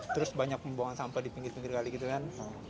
terus banyak pembuangan sampah di pinggir pinggir kali gitu kan